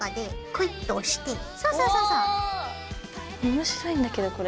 面白いんだけどこれ。